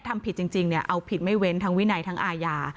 ทำผิดจริงเอาผิดไม่เว้นทั้งวินัยทั้งอาญา